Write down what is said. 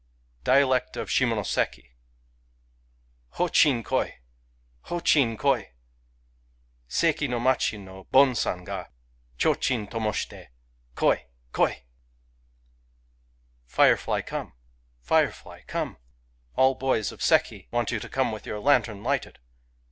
{Dialect of Sbimonosiki.) H5chin, koi ! H5chin, koi ! Seki no machi no bon san ga, Chochin tomoshite, Koi! Koi! Firefly, come ! firefly, come ! All the boys of Seki [want you to come] with your lantern lighted